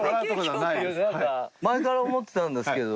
いやなんか前から思ってたんですけど。